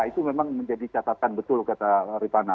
itu memang menjadi catatan betul kata ripana